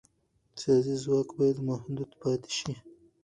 سیاسي ځواک باید محدود پاتې شي